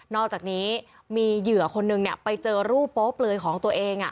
อกจากนี้มีเหยื่อคนนึงไปเจอรูปโป๊เปลือยของตัวเอง